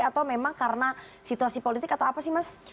atau memang karena situasi politik atau apa sih mas